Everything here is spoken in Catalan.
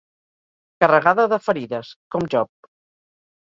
Carregada de ferides, com Job.